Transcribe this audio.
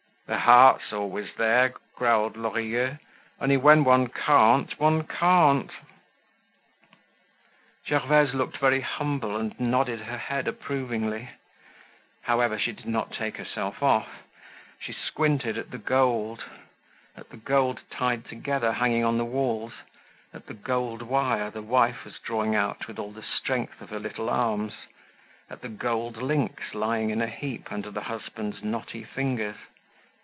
"The heart's always there," growled Lorilleux. "Only when one can't, one can't." Gervaise looked very humble and nodded her head approvingly. However, she did not take herself off. She squinted at the gold, at the gold tied together hanging on the walls, at the gold wire the wife was drawing out with all the strength of her little arms, at the gold links lying in a heap under the husband's knotty fingers.